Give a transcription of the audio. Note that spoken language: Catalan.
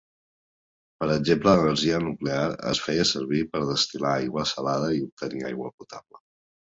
Per exemple l'energia nuclear es feia servir per destil·lar l'aigua salada i obtenir aigua potable.